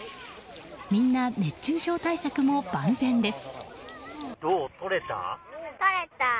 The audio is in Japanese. みんな、熱中症対策も万全です。